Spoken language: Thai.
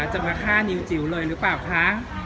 หรืออ่ะค่ะจะมาฆ่านิวจิ๋วเลยหรือเปล่าคะ